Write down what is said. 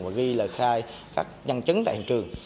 và ghi lời khai các nhân chứng tại hiện trường